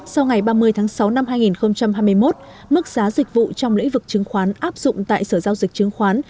sau ngày ba mươi tháng sáu năm hai nghìn hai mươi một mức giá dịch vụ trong lĩnh vực chứng khoán áp dụng tại sở giao dịch chứng khoán